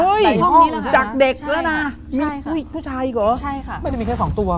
เฮ้ยห้องจากเด็กแล้วน่ะมีผู้ชายอีกเหรอไม่ได้มีแค่๒ตัวค่ะ